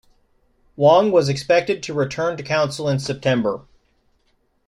Wong was expected to return to council in September.